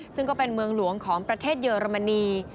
ซึ่งก็เป็นเมืองหลวงของประเทศเยอรมนี